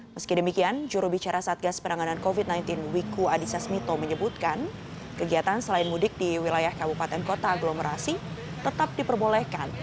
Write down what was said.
meski demikian jurubicara satgas penanganan covid sembilan belas wiku adhisa smito menyebutkan kegiatan selain mudik di wilayah kabupaten kota aglomerasi tetap diperbolehkan